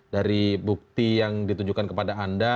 dari bukti yang ditujukan kepada anda